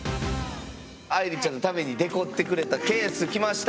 愛莉ちゃんのためにデコってくれたケース来ました。